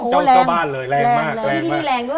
เจ้าบ้านเลยแรงมากแรงมาก